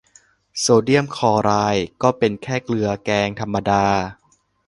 โซเดียมคลอไรด์ก็เป็นแค่เกลือแกงธรรมดา